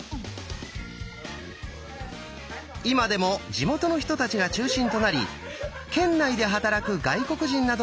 今でも地元の人たちが中心となり県内で働く外国人などにゲームの面白さを伝えています。